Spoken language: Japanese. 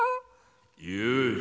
よし。